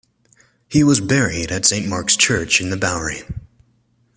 He was buried at Saint Mark's Church in-the-Bowery.